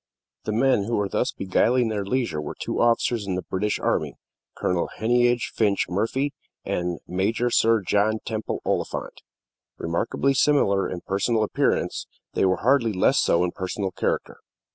The men who were thus beguiling their leisure were two officers in the British army Colonel Heneage Finch Murphy and Major Sir John Temple Oliphant. Remarkably similar in personal appearance, they were hardly less so in personal character.